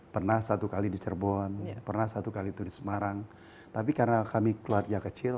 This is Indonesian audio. pernah satu kali di cirebon pernah satu kali itu di semarang tapi karena kami keluarga kecil